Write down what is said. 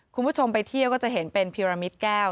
คุณผู้ชมไปเที่ยวก็จะเห็นเป็นพิรมิตแก้ว